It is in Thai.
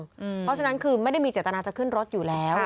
เพราะฉะนั้นคือไม่ได้มีเจตนาจะขึ้นรถอยู่แล้ว